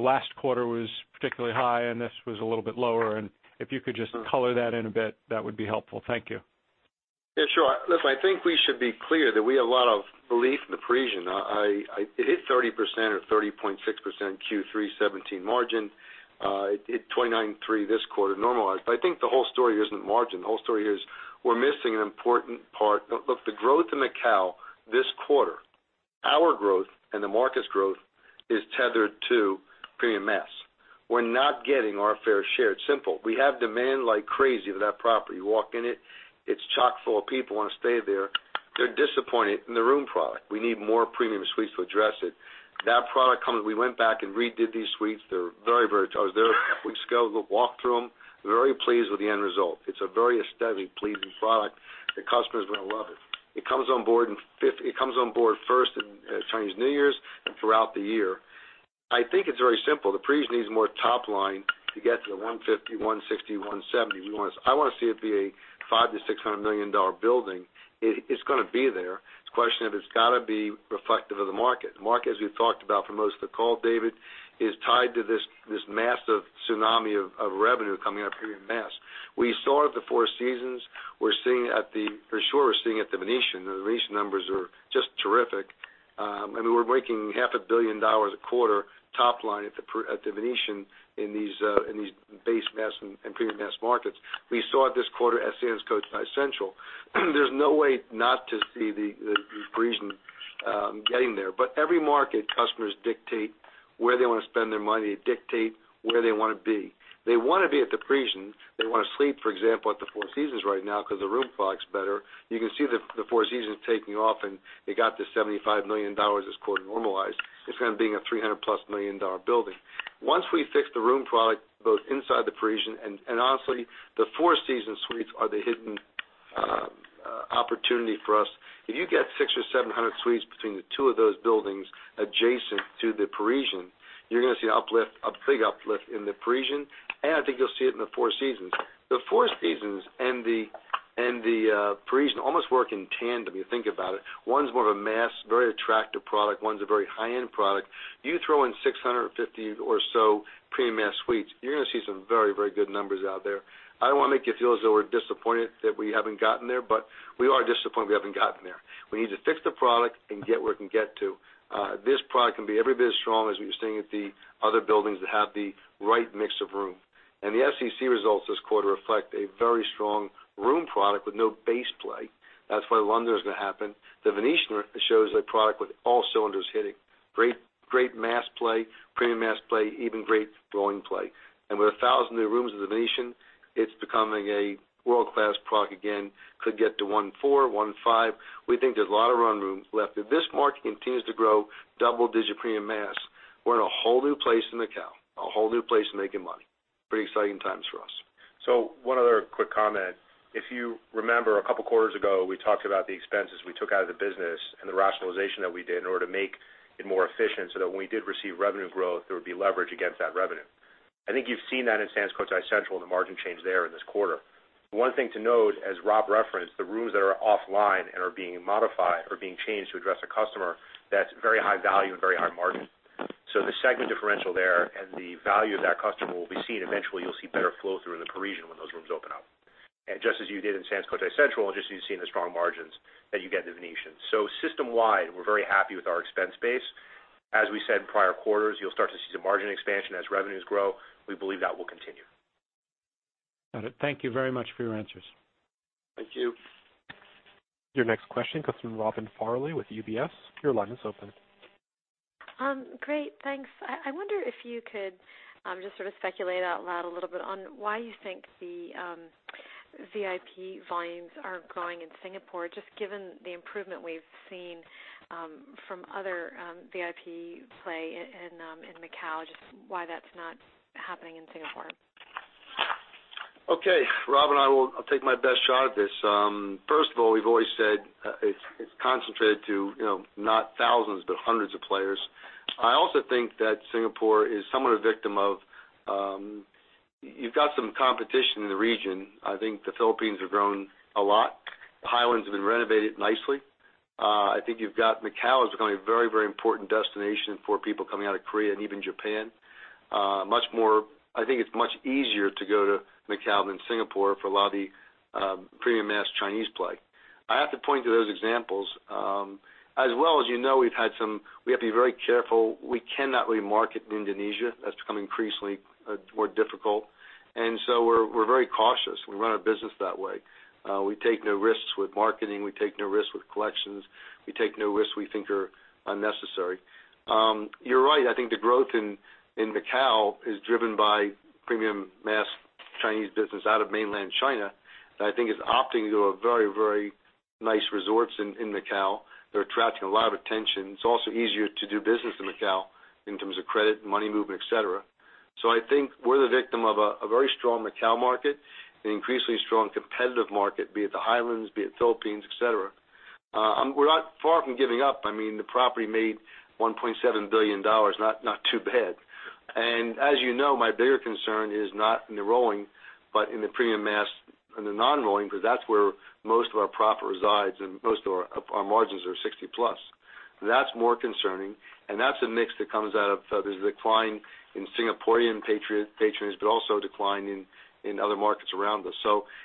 Last quarter was particularly high, and this was a little bit lower. If you could just color that in a bit, that would be helpful. Thank you. Yeah, sure. Listen, I think we should be clear that we have a lot of belief in The Parisian. It hit 30% or 30.6% Q3 2017 margin. It hit 29.3% this quarter, normalized. I think the whole story here isn't margin. The whole story here is we're missing an important part. Look, the growth in Macao this quarter, our growth and the market's growth is tethered to premium mass. We're not getting our fair share. It's simple. We have demand like crazy for that property. You walk in it's chock-full of people who want to stay there. They're disappointed in the room product. We need more premium suites to address it. We went back and redid these suites. They're very pleased with the end result. It's a very aesthetically pleasing product. The customers are going to love it. It comes on board first in Chinese New Year and throughout the year. I think it's very simple. The Parisian needs more top line to get to the $150 million, $160 million, $170 million we want. I want to see it be a $500 million-$600 million building. It's going to be there. It's a question of it's got to be reflective of the market. The market, as we've talked about for most of the call, David, is tied to this massive tsunami of revenue coming out of premium mass. We saw it at The Four Seasons. For sure, we're seeing at The Venetian. The Venetian numbers are just terrific. We're making half a billion dollars a quarter top line at The Venetian in these base mass and premium mass markets. We saw it this quarter at Sands Cotai Central. There's no way not to see The Parisian getting there. Every market, customers dictate where they want to spend their money. They dictate where they want to be. They want to be at The Parisian. They want to sleep, for example, at The Four Seasons right now because the room product's better. You can see The Four Seasons taking off, and they got to $75 million this quarter normalized. It's going to end up being a $300-plus million building. Once we fix the room product, both inside The Parisian and honestly, The Four Seasons suites are the hidden opportunity for us. If you get 600 or 700 suites between the two of those buildings adjacent to The Parisian, you're going to see a big uplift in The Parisian, and I think you'll see it in The Four Seasons. The Four Seasons and The Parisian almost work in tandem, if you think about it. One's more of a mass, very attractive product. One's a very high-end product. You throw in 650 or so premium mass suites, you're going to see some very good numbers out there. I don't want to make you feel as though we're disappointed that we haven't gotten there, but we are disappointed we haven't gotten there. We need to fix the product and get where it can get to. This product can be every bit as strong as we've seen at the other buildings that have the right mix of room. The SCC results this quarter reflect a very strong room product with no base play. That's why The Londoner is going to happen. The Venetian shows a product with all cylinders hitting. Great mass play, premium mass play, even great rolling play. With 1,000 new rooms in The Venetian, it's becoming a world-class product again. Could get to 1.4, 1.5. We think there's a lot of run room left. If this market continues to grow double-digit premium mass, we're in a whole new place in Macao, a whole new place making money. Pretty exciting times for us. One other quick comment. If you remember, a couple of quarters ago, we talked about the expenses we took out of the business and the rationalization that we did in order to make it more efficient so that when we did receive revenue growth, there would be leverage against that revenue. I think you've seen that in Sands Cotai Central and the margin change there in this quarter. One thing to note, as Rob referenced, the rooms that are offline and are being modified or being changed to address a customer, that's very high value and very high margin. The segment differential there and the value of that customer will be seen. Eventually, you'll see better flow through in The Parisian when those rooms open up. Just as you did in Sands Cotai Central, and just as you've seen the strong margins that you get in The Venetian. System-wide, we're very happy with our expense base. As we said in prior quarters, you'll start to see some margin expansion as revenues grow. We believe that will continue. Got it. Thank you very much for your answers. Thank you. Your next question comes from Robin Farley with UBS. Your line is open. Great, thanks. I wonder if you could just sort of speculate out loud a little bit on why you think the VIP volumes aren't growing in Singapore, just given the improvement we've seen from other VIP play in Macao, just why that's not happening in Singapore. Okay, Robin, I'll take my best shot at this. First of all, we've always said it's concentrated to not thousands, but hundreds of players. I also think that Singapore is somewhat a victim of, you've got some competition in the region. I think the Philippines have grown a lot. The Highlands have been renovated nicely. I think you've got Macao is becoming a very important destination for people coming out of Korea and even Japan. I think it's much easier to go to Macao than Singapore for a lot of the premium mass Chinese play. I have to point to those examples. As well as you know, we have to be very careful. We cannot really market in Indonesia. That's become increasingly more difficult. We're very cautious. We run our business that way. We take no risks with marketing. We take no risks with collections. We take no risks we think are unnecessary. You're right. I think the growth in Macao is driven by premium mass Chinese business out of mainland China, that I think is opting to go to very nice resorts in Macao. They're attracting a lot of attention. It's also easier to do business in Macao in terms of credit, money movement, et cetera. I think we're the victim of a very strong Macao market, an increasingly strong competitive market, be it the Highlands, be it Philippines, et cetera. We're not far from giving up. I mean, the property made $1.7 billion, not too bad. As you know, my bigger concern is not in the rolling, but in the premium mass and the non-rolling, because that's where most of our profit resides and most of our margins are 60+%. That's more concerning, and that's a mix that comes out of this decline in Singaporean patrons, but also a decline in other markets around us.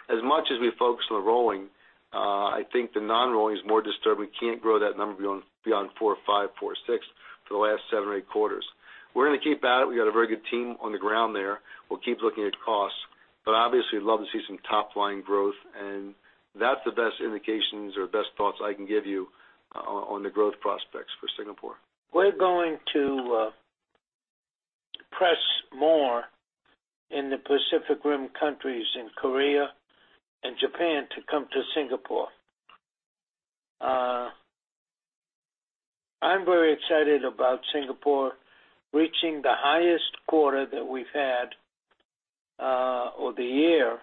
As much as we focus on the rolling, I think the non-rolling is more disturbing. We can't grow that number beyond 4.5%, 4.6% for the last seven or eight quarters. We're going to keep at it. We got a very good team on the ground there. We'll keep looking at costs. Obviously, we'd love to see some top-line growth, and that's the best indications or best thoughts I can give you on the growth prospects for Singapore. We're going to press more in the Pacific Rim countries, in Korea and Japan, to come to Singapore. I'm very excited about Singapore reaching the highest quarter that we've had, or the year,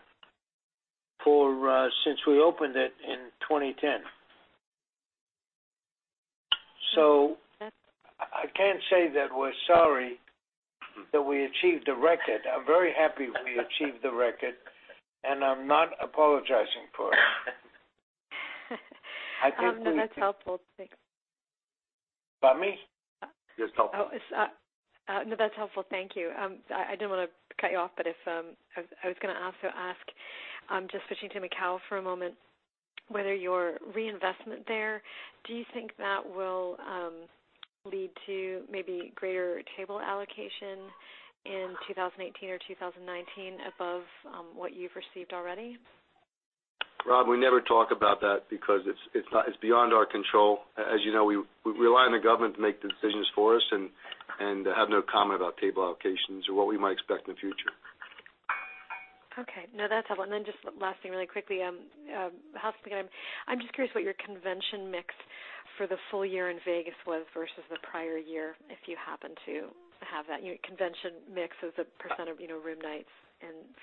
since we opened it in 2010. I can't say that we're sorry that we achieved the record. I'm very happy we achieved the record, and I'm not apologizing for it. No, that's helpful. Thanks. Pardon me? It's helpful. No, that's helpful. Thank you. I didn't want to cut you off, but I was going to also ask, just switching to Macao for a moment, whether your reinvestment there, do you think that will lead to maybe greater table allocation in 2018 or 2019 above what you've received already? Robin, we never talk about that because it's beyond our control. As you know, we rely on the government to make the decisions for us, and have no comment about table allocations or what we might expect in the future. Okay. No, that's helpful. Just last thing really quickly. I'm just curious what your convention mix for the full year in Vegas was versus the prior year, if you happen to know. Have that convention mix as a % of room nights.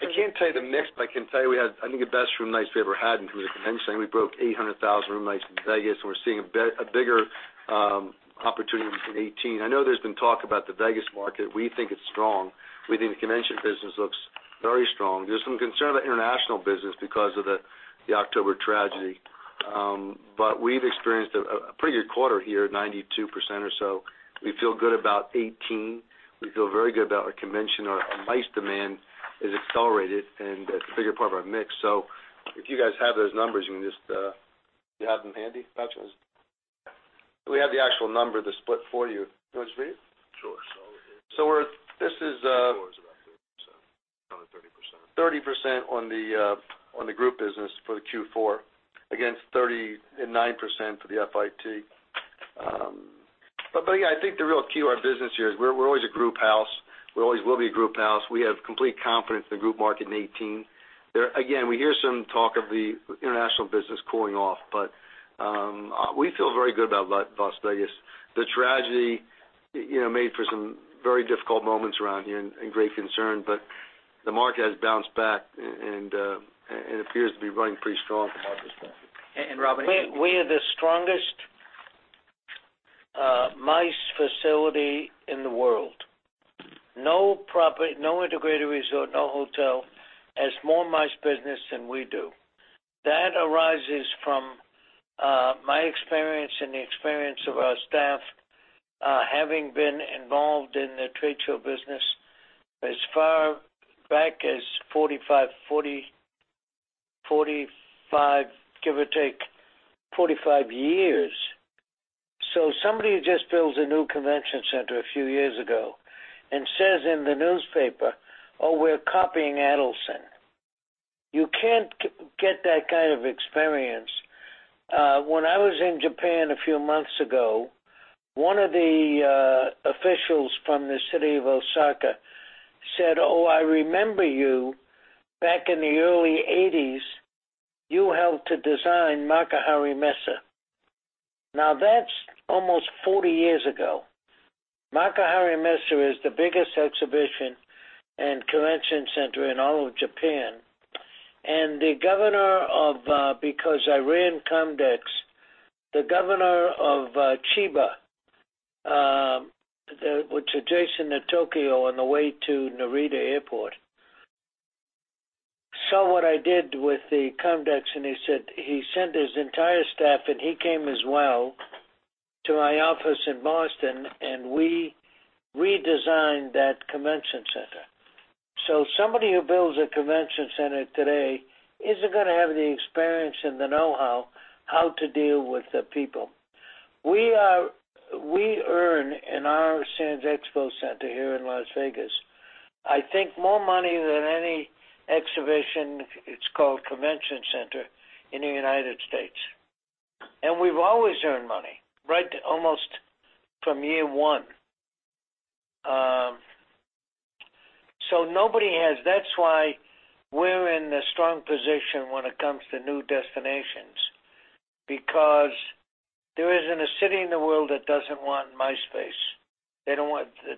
I can't tell you the mix, but I can tell you we had, I think, the best room nights we ever had in terms of convention. We broke 800,000 room nights in Vegas. We're seeing a bigger opportunity in 2018. I know there's been talk about the Vegas market. We think it's strong. We think the convention business looks very strong. There's some concern about international business because of the October tragedy, but we've experienced a pretty good quarter here, 92% or so. We feel good about 2018. We feel very good about our convention. Our MICE demand is accelerated and it's a bigger part of our mix. If you guys have those numbers, Do you have them handy, Patrick? Do we have the actual number, the split for you? Do you want me to read it? Sure. So this is- Q4 is about 30%. Around the 30%. 30% on the group business for Q4 against 39% for the FIT. Yeah, I think the real key to our business here is we're always a group house. We always will be a group house. We have complete confidence in the group market in 2018. Again, we hear some talk of the international business cooling off, we feel very good about Las Vegas. The tragedy made for some very difficult moments around here and great concern, the market has bounced back and appears to be running pretty strong from our perspective. Robert- We are the strongest MICE facility in the world. No property, no integrated resort, no hotel, has more MICE business than we do. That arises from my experience and the experience of our staff, having been involved in the trade show business as far back as, give or take, 45 years. Somebody just builds a new convention center a few years ago and says in the newspaper, "Oh, we're copying Adelson." You can't get that kind of experience. When I was in Japan a few months ago, one of the officials from the city of Osaka said, "Oh, I remember you back in the early 1980s. You helped to design Makuhari Messe." Now, that's almost 40 years ago. Makuhari Messe is the biggest exhibition and convention center in all of Japan. Because I ran COMDEX, the governor of Chiba, which is adjacent to Tokyo on the way to Narita Airport, saw what I did with the COMDEX, he sent his entire staff, and he came as well to my office in Boston, and we redesigned that convention center. Somebody who builds a convention center today isn't going to have the experience and the know-how, how to deal with the people. We earn in our Sands Expo center here in Las Vegas, I think, more money than any exhibition, it's called convention center, in the United States. We've always earned money, right? Almost from year one. That's why we're in a strong position when it comes to new destinations because there isn't a city in the world that doesn't want MICE space. That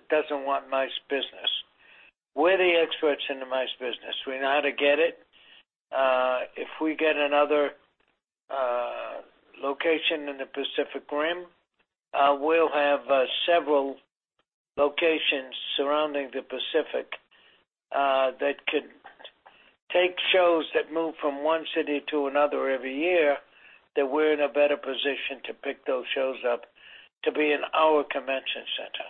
doesn't want MICE business. We're the experts in the MICE business. We know how to get it. If we get another location in the Pacific Rim, we'll have several locations surrounding the Pacific that could take shows that move from one city to another every year, that we're in a better position to pick those shows up to be in our convention center.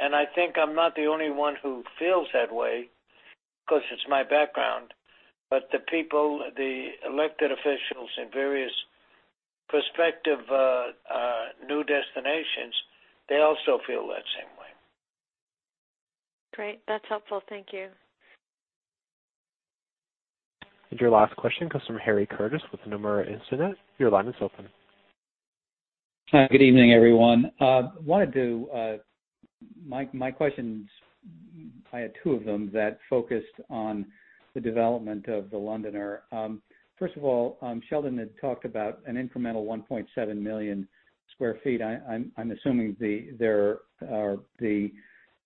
I think I'm not the only one who feels that way because it's my background. The people, the elected officials in various prospective new destinations, they also feel that same way. Great. That's helpful. Thank you. Your last question comes from Harry Curtis with Nomura Instinet. Your line is open. Hi, good evening, everyone. My questions, I had two of them that focused on the development of The Londoner. First of all, Sheldon had talked about an incremental 1.7 million sq ft. I'm assuming the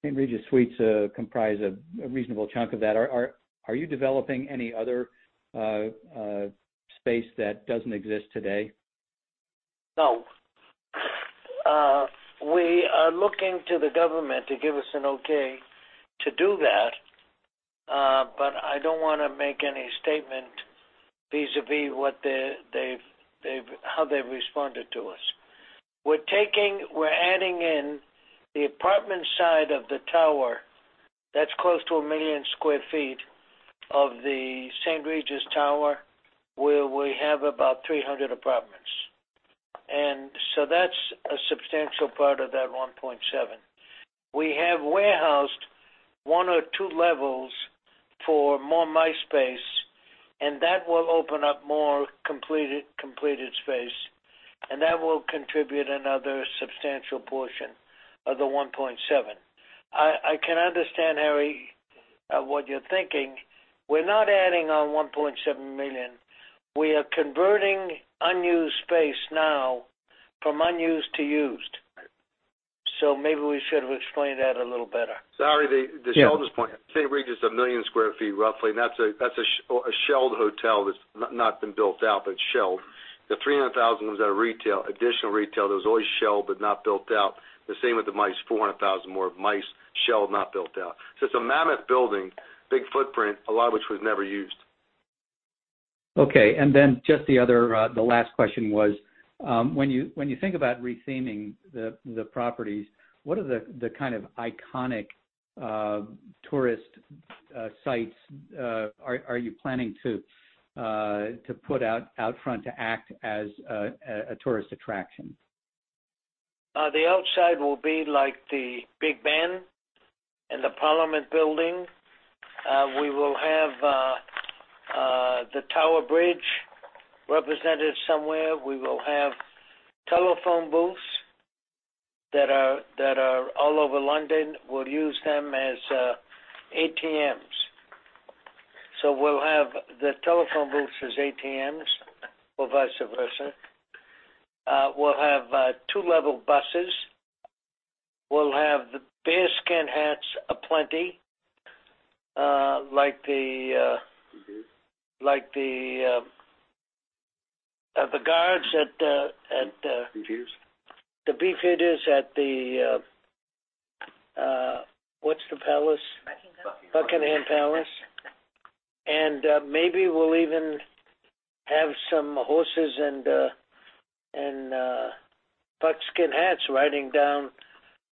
St. Regis suites comprise a reasonable chunk of that. Are you developing any other space that doesn't exist today? No. We are looking to the government to give us an okay to do that, I don't want to make any statement vis-a-vis how they've responded to us. We're adding in the apartment side of the tower. That's close to 1 million sq ft of the St. Regis tower, where we have about 300 apartments. That's a substantial part of that 1.7. We have warehoused one or two levels for more MICE space, and that will open up more completed space, and that will contribute another substantial portion of the 1.7. I can understand, Harry, of what you're thinking. We're not adding on 1.7 million. We are converting unused space now from unused to used. Right. Maybe we should have explained that a little better. Sorry, the Sheldon's point. St. Regis is 1 million sq ft, roughly, that's a shelled hotel that's not been built out, but shelled. The 300,000 was out of retail, additional retail that was always shelled but not built out. The same with the MICE, 400,000 more of MICE, shelled, not built out. It's a mammoth building, big footprint, a lot of which was never used. Just the last question was, when you think about retheming the properties, what are the kind of iconic tourist sites are you planning to put out front to act as a tourist attraction? The outside will be like the Big Ben and the Parliament building. We will have the Tower Bridge represented somewhere. We will have telephone booths that are all over London. We'll use them as ATMs. We'll have the telephone booths as ATMs or vice versa. We'll have two-level buses. We'll have the bearskin hats aplenty like the. Beefeaters like the guards at the. Beefeaters The Beefeaters at the, what's the palace? Buckingham. Buckingham Palace. Maybe we'll even have some horses and bearskin hats riding down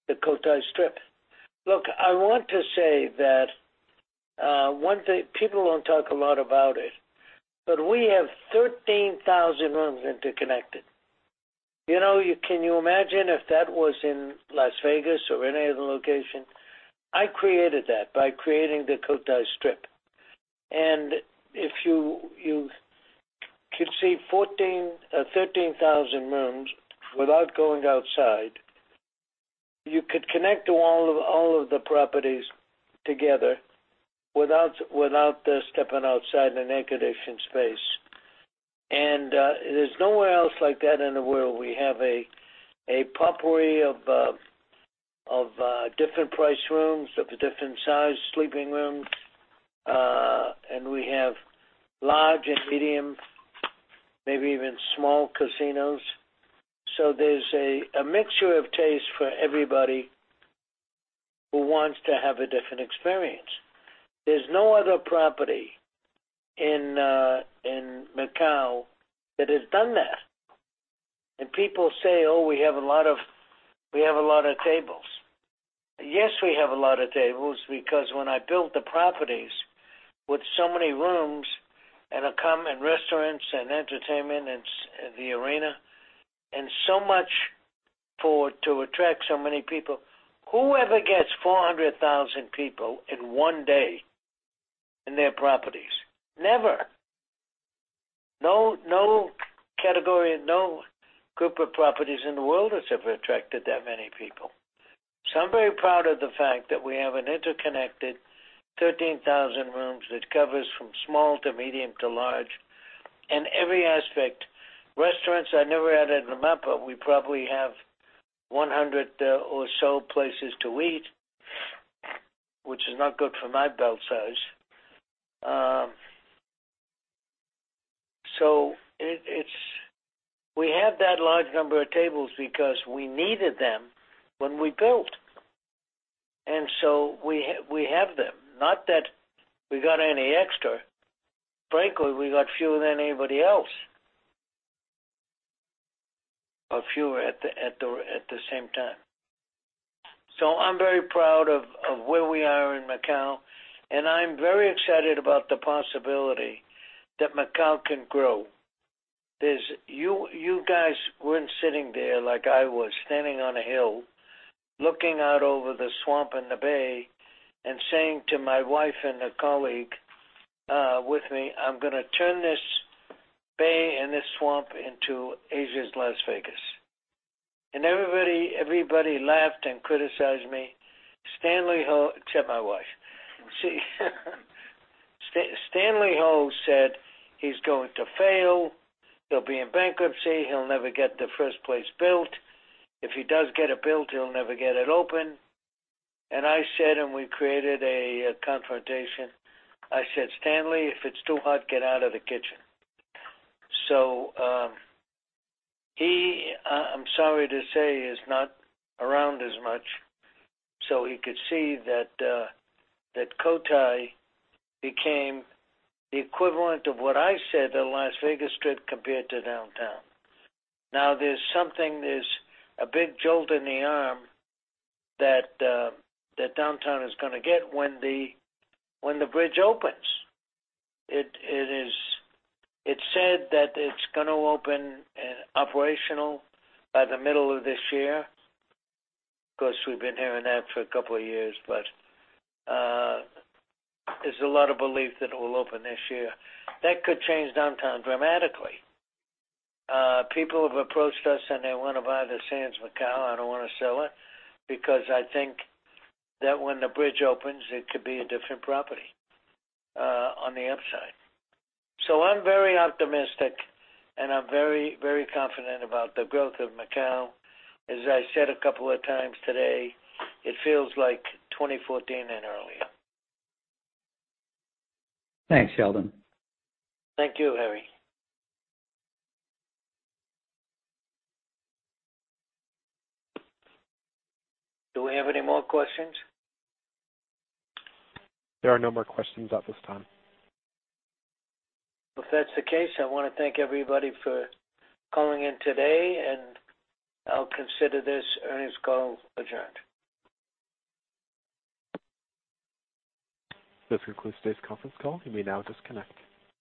the Cotai Strip. Look, I want to say that one thing, people don't talk a lot about it, but we have 13,000 rooms interconnected. Can you imagine if that was in Las Vegas or any other location? I created that by creating the Cotai Strip. If you could see 13,000 rooms without going outside, you could connect to all of the properties together without stepping outside in an air-conditioned space. There's nowhere else like that in the world. We have a potpourri of different price rooms, of different size sleeping rooms, and we have large and medium, maybe even small casinos. There's a mixture of taste for everybody who wants to have a different experience. There's no other property in Macau that has done that. People say, "Oh, we have a lot of tables." Yes, we have a lot of tables because when I built the properties with so many rooms and restaurants and entertainment and the arena, and so much to attract so many people, whoever gets 400,000 people in one day in their properties? Never. No category and no group of properties in the world has ever attracted that many people. I'm very proud of the fact that we have an interconnected 13,000 rooms that covers from small to medium to large in every aspect. Restaurants, I never added them up, but we probably have 100 or so places to eat, which is not good for my belt size. We have that large number of tables because we needed them when we built. We have them. Not that we got any extra. Frankly, we got fewer than anybody else, or fewer at the same time. I'm very proud of where we are in Macau, and I'm very excited about the possibility that Macau can grow. You guys weren't sitting there like I was, standing on a hill, looking out over the swamp and the bay, and saying to my wife and a colleague with me, "I'm going to turn this bay and this swamp into Asia's Las Vegas." Everybody laughed and criticized me, except my wife. Stanley Ho said, "He's going to fail. He'll be in bankruptcy. He'll never get the first place built. If he does get it built, he'll never get it open." I said, and we created a confrontation, I said, "Stanley, if it's too hot, get out of the kitchen." He, I'm sorry to say, is not around as much, so he could see that Cotai became the equivalent of what I said, the Las Vegas Strip compared to Downtown. There's something, there's a big jolt in the arm that Downtown is going to get when the bridge opens. It's said that it's going to open and operational by the middle of this year. Of course, we've been hearing that for a couple of years, but there's a lot of belief that it will open this year. That could change Downtown dramatically. People have approached us, and they want to buy the Sands Macao. I don't want to sell it because I think that when the bridge opens, it could be a different property on the upside. I'm very optimistic, and I'm very confident about the growth of Macao. As I said a couple of times today, it feels like 2014 and earlier. Thanks, Sheldon. Thank you, Harry. Do we have any more questions? There are no more questions at this time. If that's the case, I want to thank everybody for calling in today. I'll consider this earnings call adjourned. This concludes today's conference call. You may now disconnect.